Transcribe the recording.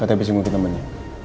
katanya besengguh ketemunya